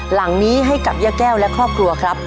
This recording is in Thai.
หลังนี้ให้กับย่าแก้วและครอบครัวครับ